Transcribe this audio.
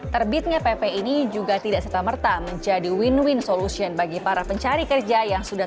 terbitnya pp ini juga tidak serta merta menjadi win win solution bagi para pencari kerja yang sudah